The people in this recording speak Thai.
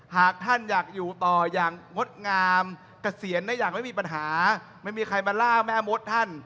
หากท่านอยากอยู่ต่ออย่างงดงามเกษียณได้อย่างไม่มีปัญหาไม่มีใครมาล่าแม่มดท่าน